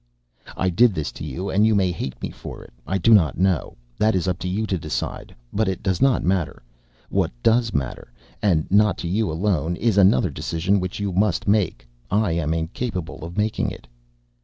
"I did this to you and you may hate me for it; I do not know. That is up to you to decide, but it does not matter. What does matter, and not to you alone, is another decision which you must make. I am incapable of making it.